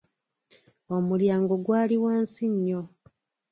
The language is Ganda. Omulyango gwali wansi nnyo.